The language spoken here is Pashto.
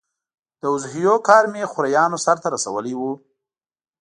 د اضحیو کار مې خوریانو سرته رسولی و.